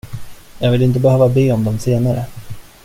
Jag vill inte behöva be om dem senare.